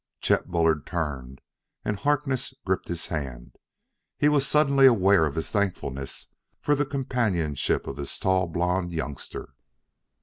Chet Bullard turned, and Harkness gripped his hand. He was suddenly aware of his thankfulness for the companionship of this tall, blond youngster.